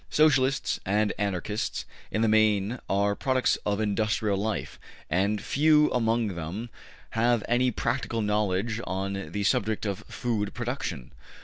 Socialists and Anarchists in the main are products of industrial life, and few among them have any practical knowledge on the subject of food production.